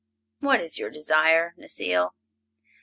What is your desire, Necile?"